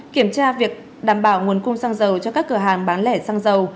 kiểm tra việc đảm bảo nguồn cung xăng dầu cho các cửa hàng bán lẻ xăng dầu